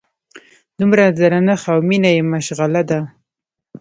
دومره درنښت او مینه یې مشغله ده.